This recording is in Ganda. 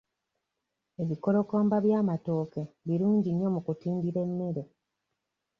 Ebikolokomba by'amatooke birungi nnyo mu kutindira emmere.